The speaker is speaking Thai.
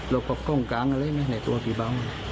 แล้วก็กล้องกลางอะไรไหมในตัวพี่เบา